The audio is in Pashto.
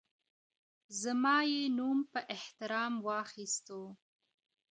زمـا يــې نــوم پــه احـتـرام واخيستـو